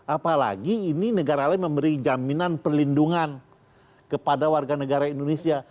apalagi ini negara lain memberi jaminan perlindungan kepada warga negara indonesia